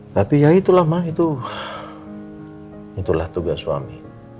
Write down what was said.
tapi ya itulah mah itulah tugas suami